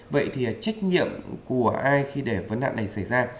vậy thì trách nhiệm của ai khi để vấn nạn này xảy ra